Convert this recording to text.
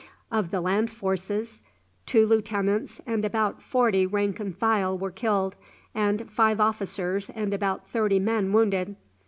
Of the land forces, two lieutenants and about forty rank and file were killed, and five officers and about thirty men wounded.